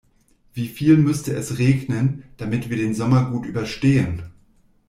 Wieviel müsste es regnen, damit wir den Sommer gut überstehen?